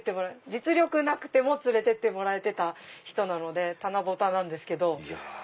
実力なくても連れてってもらえてた人なので棚ぼたなんですけど。